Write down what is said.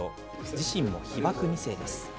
自身も被爆２世です。